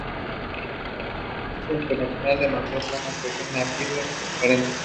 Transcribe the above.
Amnistía Internacional demandó una actuación ágil y transparente.